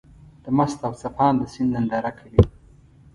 د مست او څپانده سيند ننداره کوې.